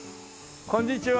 こんにちは。